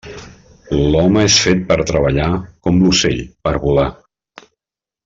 L'home és fet per treballar, com l'ocell per volar.